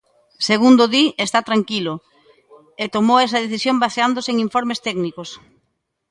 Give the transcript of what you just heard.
Segundo di, está tranquilo, e tomou esa decisión baseándose en informes técnicos.